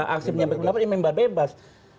aksi penyampaian pendapat yang imbar bebas